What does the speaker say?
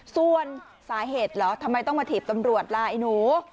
ส่วนสาเหตุเหรอทำไมต้องมาถีบตำรวจลาไอ้หนู